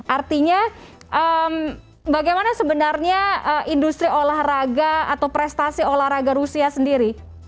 artinya bagaimana sebenarnya industri olahraga atau prestasi olahraga rusia sendiri